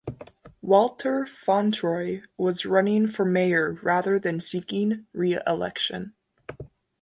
Walter Fauntroy was running for mayor rather than seeking reelection.